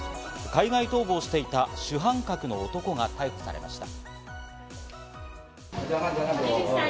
海外逃亡していた主犯格の男が逮捕されました。